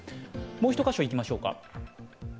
もう１カ所いきましょうか。